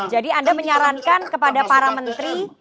jadi anda menyarankan kepada para menteri